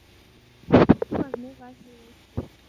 He was never a heretic.